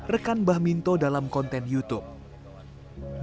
rekan bah minto dalam konten youtube